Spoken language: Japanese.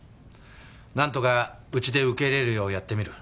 なんとかうちで受け入れるようやってみる。